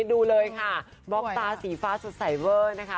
ดูเลยค่ะบล็อกตาสีฟ้าสุดไซเวอร์นะคะ